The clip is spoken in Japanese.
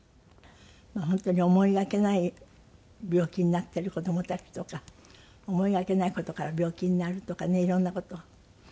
本当に思いがけない病気になっている子供たちとか思いがけない事から病気になるとかね色んな事。